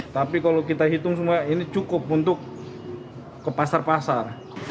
tapi kalau kita hitung semua ini cukup untuk ke pasar pasar